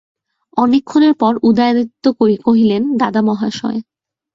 অনেকক্ষণের পর উদয়াদিত্য কহিলেন, দাদামহাশয়।